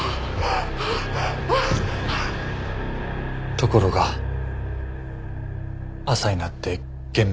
ところが朝になって現場に戻ったら。